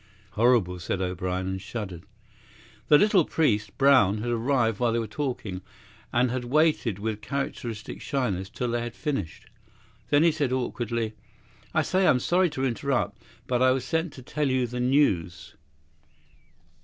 "Horrible!" said O'Brien, and shuddered. The little priest, Brown, had arrived while they were talking, and had waited, with characteristic shyness, till they had finished. Then he said awkwardly: "I say, I'm sorry to interrupt. But I was sent to tell you the news!"